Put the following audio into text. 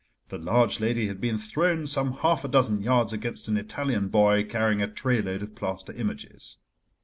The large lady had been thrown some half a dozen yards against an Italian boy carrying a tray load of plaster images.